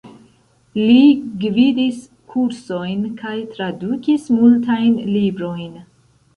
Li gvidis kursojn kaj tradukis multajn librojn.